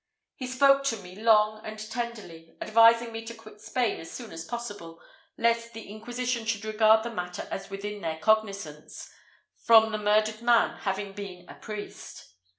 He spoke to me long and tenderly, advising me to quit Spain as soon as possible, lest the Inquisition should regard the matter as within their cognisance, from the murdered man having been a priest.